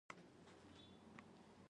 کوتره خپل غږ له لرې اورېدلی شي.